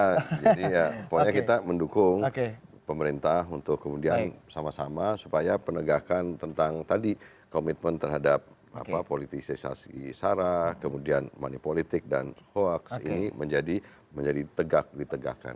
jadi ya pokoknya kita mendukung pemerintah untuk kemudian sama sama supaya penegakan tentang tadi komitmen terhadap politisasi isara kemudian money politik dan hoax ini menjadi tegak ditegakkan